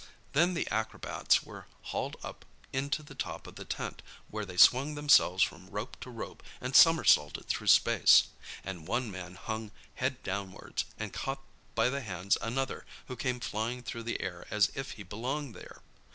Then the acrobats were hauled up into the top of the tent, where they swung themselves from rope to rope, and somersaulted through space; and one man hung head downwards, and caught by the hands another who came flying through the air as if he belonged there.